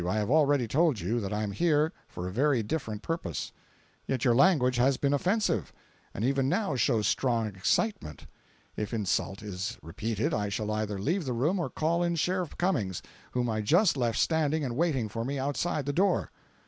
I have already told you that I am here for a very different purpose." "Yet your language has been offensive, and even now shows strong excitement. If insult is repeated I shall either leave the room or call in Sheriff Cummings, whom I just left standing and waiting for me outside the door."